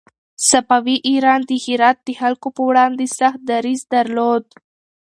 صفوي ایران د هرات د خلکو پر وړاندې سخت دريځ درلود.